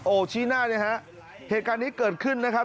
โอ้โหชี้หน้าเลยฮะเหตุการณ์นี้เกิดขึ้นนะครับ